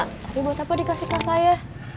tapi buat apa dikasih ke saya